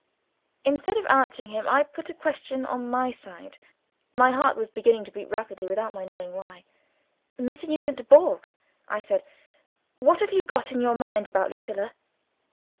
Instead of answering him, I put a question on my side. My heart was beginning to beat rapidly without my knowing why. "Mr. Nugent Dubourg," I said, "what have you got in your mind about Lucilla?"